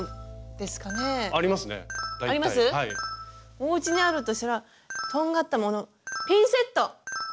おうちにあるとしたらとんがったものピンセット！